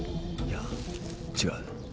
いや違う。